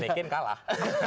dan mccain kalah